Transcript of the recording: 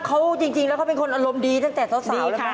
เขาจริงแล้วเขาเป็นคนอารมณ์ดีตั้งแต่สาวแล้วนะ